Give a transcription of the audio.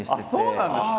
そうなんですか？